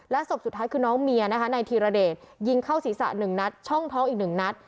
และศพสุดท้ายคือน้องเมียนะคะในธีรเดชยิงเข้าศีรษะหนึ่งนัดช่องท้องอีกหนึ่งนัด